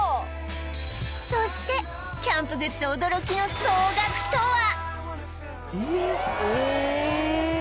そしてキャンプグッズ驚きの総額とは？